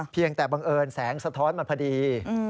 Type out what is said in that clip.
เพียงแต่บังเอิญแสงสะท้อนมาพอดี